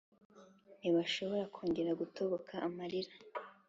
ntibashobora kongera gutoboka amarira